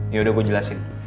yaudah gue jelasin